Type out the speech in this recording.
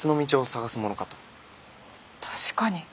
確かに。